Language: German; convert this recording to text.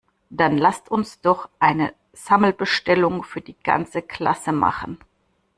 Dann lasst uns doch eine Sammelbestellung für die ganze Klasse machen!